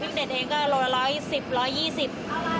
พริกเด็ดเองก็ร้อยละร้อยสิบร้อยยี่สิบ